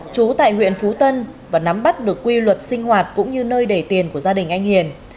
chú tại huyện phú tân và nắm bắt được quy luật sinh hoạt cũng như nơi đầy tiền của gia đình anh hiền